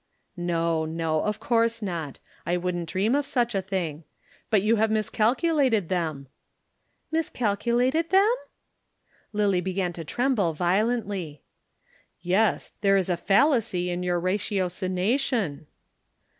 "No, no, of course not. I wouldn't dream of such a thing. But you have miscalculated them!" "Miscalculated them?" Lillie began to tremble violently. "Yes, there is a fallacy in your ratiocination."